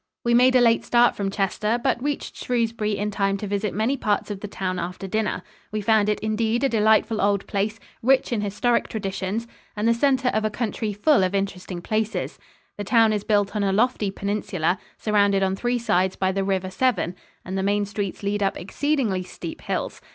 We made a late start from Chester, but reached Shrewsbury in time to visit many parts of the town after dinner. We found it indeed a delightful old place, rich in historic traditions, and the center of a country full of interesting places. The town is built on a lofty peninsula, surrounded on three sides by the River Severn, and the main streets lead up exceedingly steep hills.